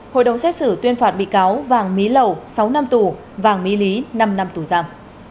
hội đồng xét xử tuyên phạt bị cáo vàng mỹ lầu sáu năm tù vàng mỹ lý năm năm tù giam